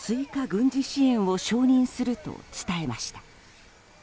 軍事支援を承認すると伝えました。